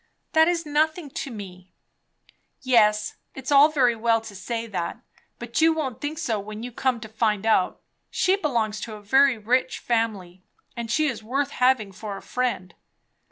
"That is nothing to me." "Yes, it's all very well to say that, but you won't think so when you come to find out. She belongs to a very rich family, and she is worth having for a friend."